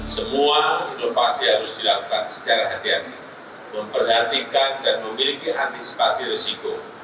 semua inovasi harus dilakukan secara hati hati memperhatikan dan memiliki antisipasi risiko